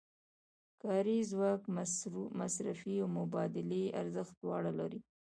کاري ځواک مصرفي او مبادلوي ارزښت دواړه لري